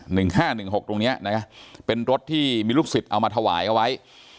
หนึ่งห้าหนึ่งหกตรงเนี้ยนะเป็นรถที่มีลูกศิษย์เอามาถวายเอาไว้